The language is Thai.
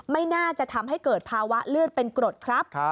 ไม่น่าจะทำให้เกิดภาวะเลือดเป็นกรดครับ